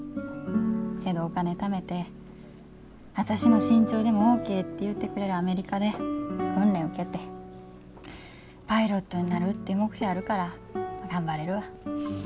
けどお金ためて私の身長でもオッケーって言うてくれるアメリカで訓練受けてパイロットになるって目標あるから頑張れるわ。